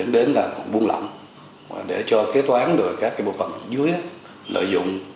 để cho kế toán được các bộ phận dưới lợi dụng